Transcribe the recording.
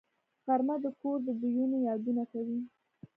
غرمه د کور د بویونو یادونه کوي